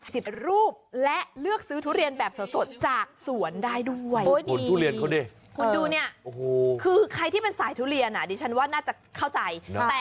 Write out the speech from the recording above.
ติดรูปและเลือกซื้อทุเรียนแบบสดจากสวนได้ด้วย